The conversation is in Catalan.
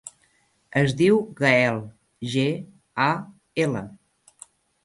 Es diu Gaël: ge, a, ela.